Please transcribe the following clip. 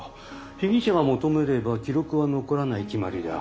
被疑者が求めれば記録は残らない決まりだ。